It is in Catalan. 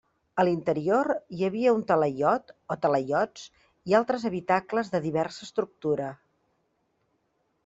A l'interior hi havia un talaiot o talaiots i altres habitacles de diversa estructura.